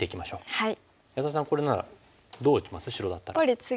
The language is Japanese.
はい。